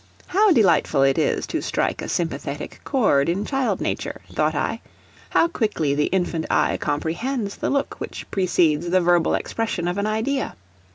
How delightful it is to strike a sympathetic chord in child nature, thought I; how quickly the infant eye comprehends the look which precedes the verbal expression of an idea!